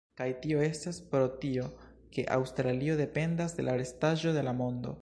Kaj tio estas pro tio, ke Aŭstralio dependas de la restaĵo de la mondo.